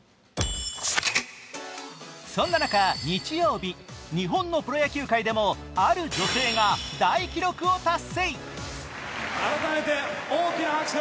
そんな中、日曜日日本のプロ野球界である女性が大記録を達成。